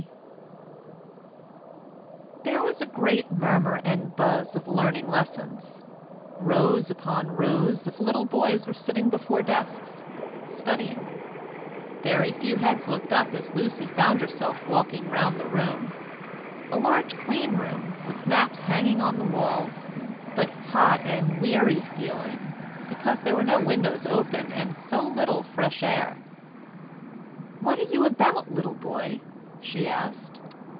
_] THERE was a great murmur and buzz of learning lessons; rows upon rows of little boys were sitting before desks, studying; very few heads looked up as Lucy found herself walking round the room a large clean room, with maps hanging on the walls, but hot and weary feeling, because there were no windows open and so little fresh air. "What are you about, little boy?" she asked.